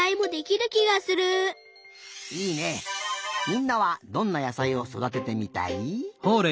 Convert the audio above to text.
みんなはどんな野さいをそだててみたい？